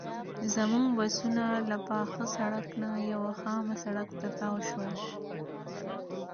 زموږ بسونه له پاخه سړک نه یوه خامه سړک ته تاو شول.